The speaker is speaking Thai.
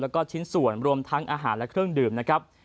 แล้วก็ชิ้นส่วนรวมทั้งอาหารและเครื่องดื่มนะครับ